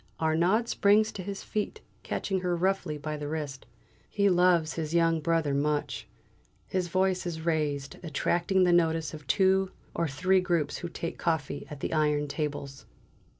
Arnaud springs to his feet, catching her roughly by the wrist. He loves his young brother much. His voice is raised, attracting the notice of two or three groups who take coffee at the iron tables.